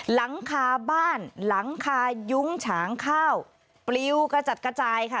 หลังคาบ้านหลังคายุ้งฉางข้าวปลิวกระจัดกระจายค่ะ